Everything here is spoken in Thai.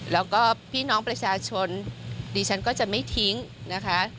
แล้วก็พี่น้องประชาชนดิฉันก็จะไม่ทิ้งนะคะ